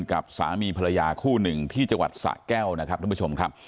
กับสามีภรรยาคู่หนึ่งที่จังหวัดสะแก้วนะครับทุกผู้ชมครับ